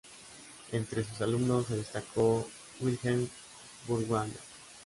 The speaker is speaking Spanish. Entre sus alumnos se destacó Wilhelm Furtwängler.